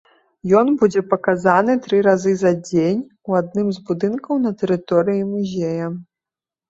Ён будзе паказаны тры разы за дзень у адным з будынкаў на тэрыторыі музея.